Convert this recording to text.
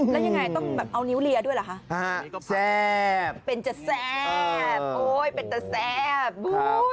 แล้วยังไงต้องแบบเอานิ้วเลียด้วยเหรอคะแซ่บเป็นจะแซ่บโอ๊ยเป็นจะแซ่บ